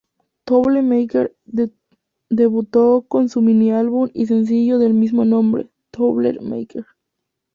Trouble Maker debutó con su mini-álbum y sencillo de mismo nombre, "Trouble Maker".